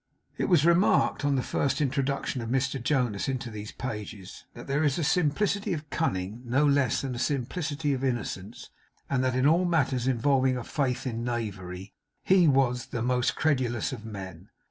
It was remarked, on the first introduction of Mr Jonas into these pages, that there is a simplicity of cunning no less than a simplicity of innocence, and that in all matters involving a faith in knavery, he was the most credulous of men.